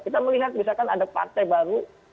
kita melihat misalkan ada partai baru